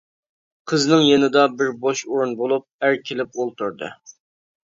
قىزنىڭ يېنىدا بىر بوش ئورۇن بولۇپ، ئەر كېلىپ ئولتۇردى.